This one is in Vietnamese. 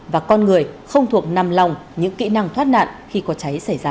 và con người không thuộc nằm lòng những kỹ năng thoát nạn khi có cháy xảy ra